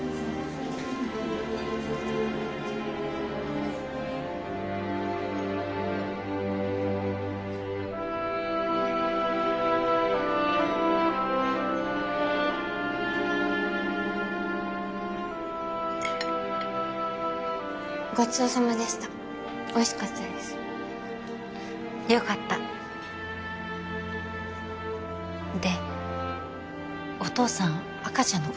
いらっしゃいませごちそうさまでしたおいしかったですよかったでお父さん赤ちゃんのこと何て？